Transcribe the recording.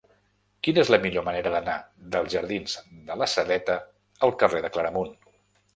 Quina és la millor manera d'anar dels jardins de la Sedeta al carrer de Claramunt?